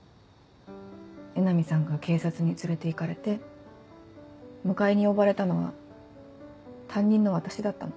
江波さんが警察に連れて行かれて迎えに呼ばれたのは担任の私だったの。